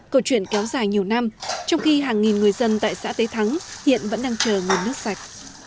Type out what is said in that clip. câu chuyện kéo dài nhiều năm trong khi hàng nghìn người dân tại xã tế thắng hiện vẫn đang chờ nguồn nước sạch